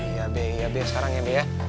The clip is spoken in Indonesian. iya be iya be sekarang ya be ya